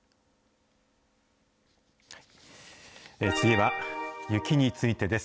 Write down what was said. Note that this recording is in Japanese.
次は雪についてです。